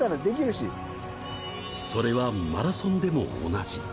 それはマラソンでも同じ。